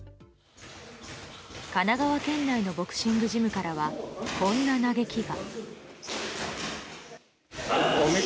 神奈川県内のボクシングジムからはこんな嘆きが。